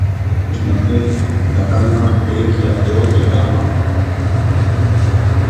یوہ جاتک اُت ڈھارا ما ایک یا دو دھیاڑا ما لُگو رہیو